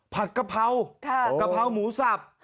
กะเพรากะเพราหมูสับ